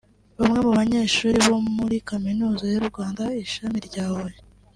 Bamwe mu banyeshuri bo muri kaminuza y’u Rwanda ishami rya Huye